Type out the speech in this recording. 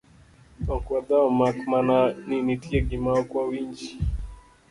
ok wadhao mak mana ni nitie gima ok awinji